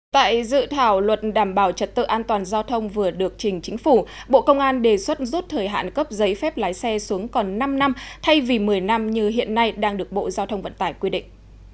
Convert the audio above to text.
tại dự thảo luật đảm bảo trật tự an toàn giao thông vừa được trình chính phủ bộ công an đề xuất rút thời hạn cấp giấy phép lái xe xuống còn năm năm thay vì một mươi năm như hiện nay đang được bộ giao thông vận tải quy định